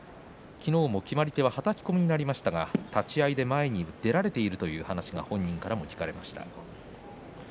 昨日も決まり手ははたき込みになりましたが立ち合いで前に出られているという話が本人からも聞かれました。